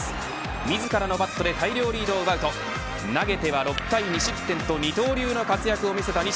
自らのバットで大量リードを奪うと投げては６回２失点と二刀流の活躍を見せた西。